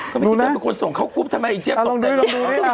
ก็ไม่คิดว่าจะเป็นคนส่งเขากุ๊บทำไมเจ๊บต่อไปลองดูนี่ขึ้นมาหน่อยสิ